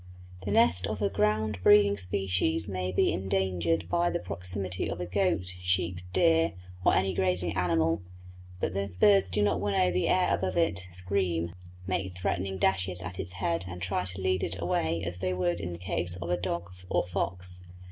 The nest of a ground breeding species may be endangered by the proximity of a goat, sheep, deer, or any grazing animal, but the birds do not winnow the air above it, scream, make threatening dashes at its head, and try to lead it away as they would do in the case of a dog or fox.